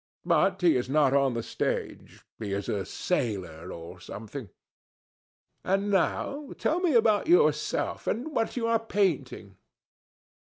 But he is not on the stage. He is a sailor, or something. And now, tell me about yourself and what you are painting."